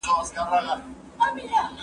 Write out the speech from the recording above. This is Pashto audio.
زه به سبا کالي پرېولم وم